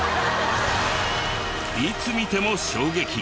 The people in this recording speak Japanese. いつ見ても衝撃！